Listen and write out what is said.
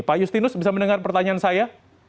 pak justinus bisa mendengar pertanyaan saya